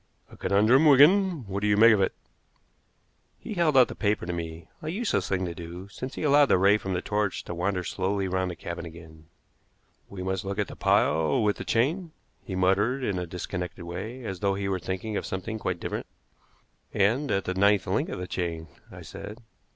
"A conundrum, Wigan. What do you make of it?" He held out the paper to me, a useless thing to do, since he allowed the ray from the torch to wander slowly round the cabin again. "We must look at the pile with the chain," he muttered in a disconnected way, as though he were thinking of something quite different. "And at the ninth link of the chain," I said.